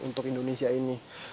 untuk indonesia ini